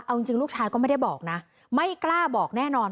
เอาจริงลูกชายก็ไม่ได้บอกนะไม่กล้าบอกแน่นอน